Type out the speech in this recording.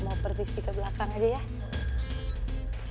mau perdisi ke belakang aja yah